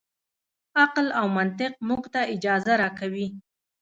عقل او منطق موږ ته اجازه راکوي.